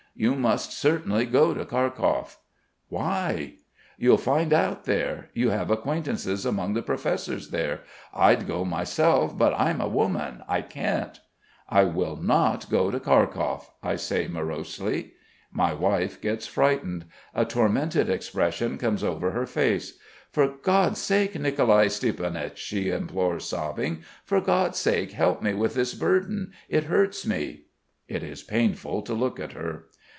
You must certainly go to Kharkov." "Why?" "You'll find out there. You have acquaintances among the professors there. I'd go myself. But I'm a woman. I can't." "I will not go to Kharkov," I say morosely. My wife gets frightened; a tormented expression comes over her face. "For God's sake, Nicolai Stiepanich," she implores, sobbing, "For God's sake help me with this burden! It hurts me." It is painful to look at her.